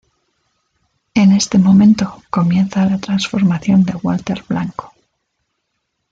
En este momento comienza la transformación de Walter Blanco.